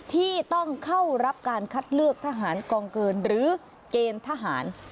ที่ต้องเข้ารับการคัดเลือกทหารกองเกินหรือเกณฑ์ทหาร